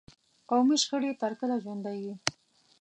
قومي شخړې تر کله ژوندي وي.